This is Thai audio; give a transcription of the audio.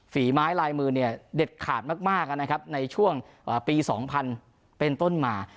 ฝีไม้ลายมือเนี่ยเด็ดขาดมากนะครับในช่วงปี๒๐๐เป็นต้นมา